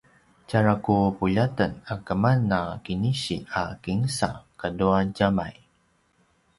tjara ku puljaten a keman a kinisi a kinsa katua djamay